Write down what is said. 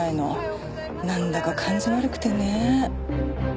なんだか感じ悪くてね。